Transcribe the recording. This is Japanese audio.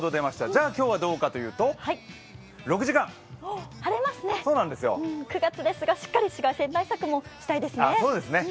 じゃあ今日はどうかというと、６時間。晴れますね、９月ですけど、しっかり紫外線対策もしたいですね。